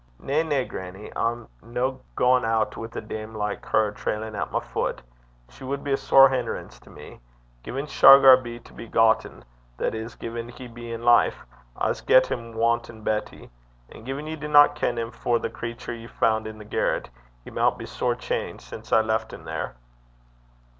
'Na, na, grannie. I'm no gaein' oot wi' a dame like her trailin' at my fut. She wad be a sair hinnerance to me. Gin Shargar be to be gotten that is, gin he be in life I s' get him wantin' Betty. And gin ye dinna ken him for the crater ye fand i' the garret, he maun be sair changed sin' I left him there.'